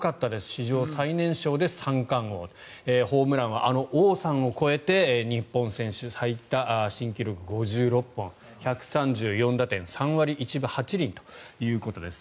史上最年少で三冠王ホームランはあの王さんを超えて日本選手最多の新記録５６本１３４打点３割１分８厘ということです。